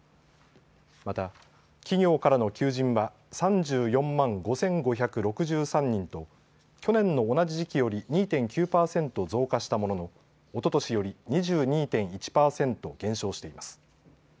また企業からの求人は３４万５５６３人と去年の同じ時期より２．９％増加したもののおととしより２２．１％減少しています。